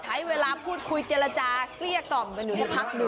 ใช้เวลาพูดคุยเจลจากเกลียดก่อมกันอยู่พักนู้ม